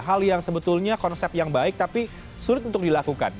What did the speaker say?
hal yang sebetulnya konsep yang baik tapi sulit untuk dilakukan